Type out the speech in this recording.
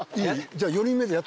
じゃあ。